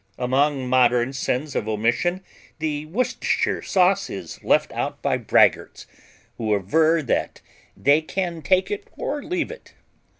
Among modern sins of omission, the Worcestershire sauce is left out by braggarts who aver that they can take it or leave it.